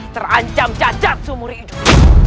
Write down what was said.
terancam jajat sumuri hidup